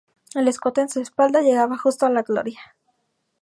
El escote en su espalda, llegaba justo a la gloria.